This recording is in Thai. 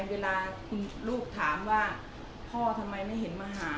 เวลาคุณลูกถามว่าพ่อทำไมไม่เห็นมาหา